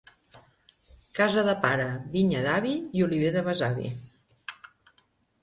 Casa de pare, vinya d'avi i oliver de besavi.